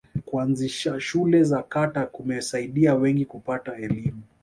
kuanzisha shule za kata kumesaidia wengi kupata elimu